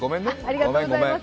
ありがとうございます。